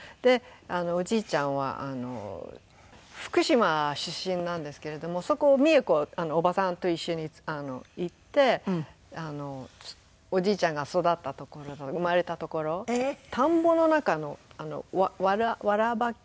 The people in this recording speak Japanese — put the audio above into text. おじいちゃんは福島出身なんですけれどもそこを美栄子おばさんと一緒に行っておじいちゃんが育った所生まれた所田んぼの中のわらばき？